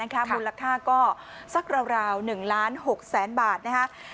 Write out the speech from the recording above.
คุณลักษาก็สักราว๑ล้าน๖แสนบาทนะฮะ